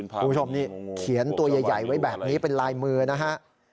คุณผู้ชมนี่เขียนตัวใหญ่ไว้แบบนี้เป็นลายมือนะฮะ